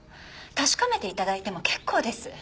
確かめて頂いても結構です。